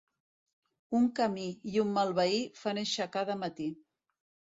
Un camí i un mal veí fan aixecar de matí.